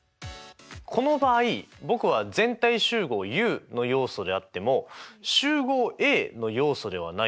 この場合僕は全体集合Ｕの要素であっても集合Ａの要素ではないってことですよね。